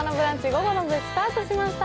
午後の部スタートしました。